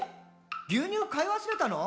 牛乳買い忘れたの？」